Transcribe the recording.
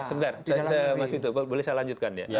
sebentar saya masukin itu boleh saya lanjutkan ya